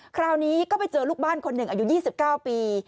คราวนี้ก็ไปเจอลูกบ้านคนหนึ่งอายุ๒๙ปี